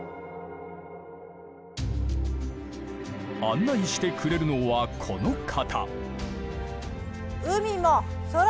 案内してくれるのはこの方。